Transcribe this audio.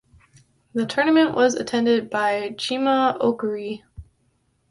The tournament was attended by Chima Okorie.